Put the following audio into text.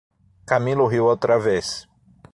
Camilo riu outra vez: